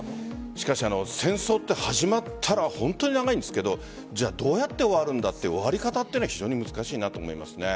しかし、戦争って始まったら本当に長いんですけどじゃあどうやって終わるんだという終わり方は非常に難しいなと思いますね。